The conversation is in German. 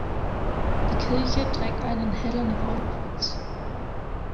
Die Kirche trägt einen hellen Rauputz.